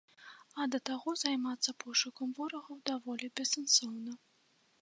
А да таго займацца пошукам ворагаў даволі бессэнсоўна.